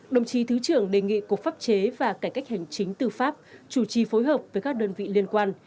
đồng chí thứ trưởng đề nghị cục pháp chế và cải cách hành chính tư pháp chủ trì phối hợp với các đơn vị liên quan